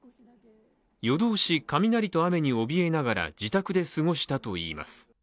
夜通し雷と雨におびえながら自宅で過ごしたといいます。